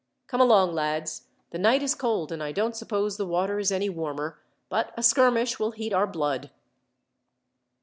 "Come along, lads. The night is cold, and I don't suppose the water is any warmer, but a skirmish will heat our blood."